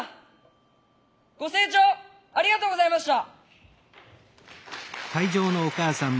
ご清聴ありがとうございました。